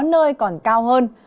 nơi còn cao hơn